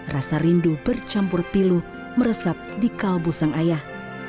rasa rindu bercampur pilu meresap di kalbusan ayah